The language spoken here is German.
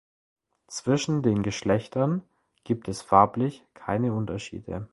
Zwischen den Geschlechtern gibt es farblich keine Unterschiede.